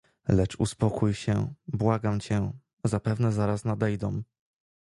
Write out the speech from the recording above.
"Lecz uspokój się, błagam cię, zapewne zaraz nadejdą."